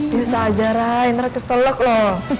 ya usah aja ray ntar keselok lo